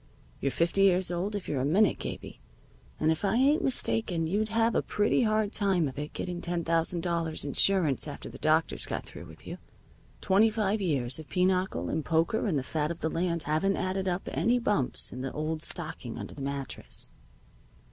You're fifty years old if you're a minute, Gabie, and if I ain't mistaken you'd have a pretty hard time of it getting ten thousand dollars' insurance after the doctors got through with you. Twenty five years of pinochle and poker and the fat of the land haven't added up any bumps in the old stocking under the mattress."